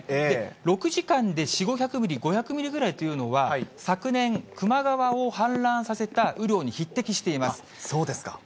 ６時間で４、５００ミリ、５００ミリぐらいというのは、昨年球磨川を氾濫させた雨量に匹敵しています。